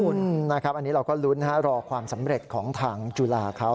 อืมนะครับอันนี้เราก็ลุ้นฮะรอความสำเร็จของทางจุฬาเขา